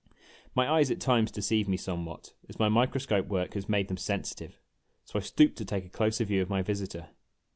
My eyes at times deceive me somewhat, as my microscope work has made them sensitive ; so I stooped to take a closer view of my visitor.